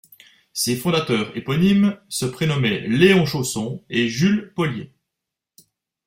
Ses fondateurs éponymes se prénommaient Léon Chausson et Jules Poliet.